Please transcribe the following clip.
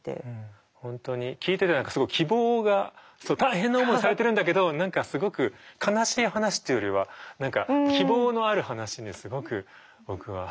本当に聞いてて何かすごい希望が大変な思いされてるんだけど何かすごく悲しい話っていうよりは希望のある話にすごく僕は聞こえてくる。